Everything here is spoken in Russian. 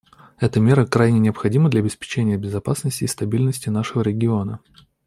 Эта мера крайне необходима для обеспечения безопасности и стабильности нашего региона.